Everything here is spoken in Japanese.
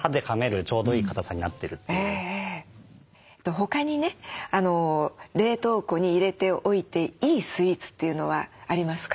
他にね冷凍庫に入れておいていいスイーツというのはありますか？